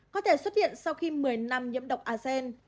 có thể xuất hiện sau khi một mươi năm nhiễm độc a sen